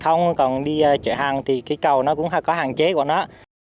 không còn đi chợ hàng thì cây cầu nó cũng có hạn chế của nó